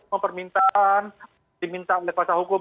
mempermintan diminta oleh kuasa hukum